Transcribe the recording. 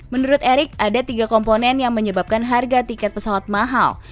menurut erik ada tiga komponen yang menyebabkan harga tiket pesawat mahal